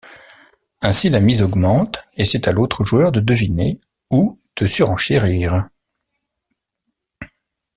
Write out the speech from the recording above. Ainsi, la mise augmente et c'est à l'autre joueur de deviner ou de surenchérir.